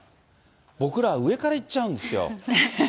僕らは上からいっちゃうんですよ。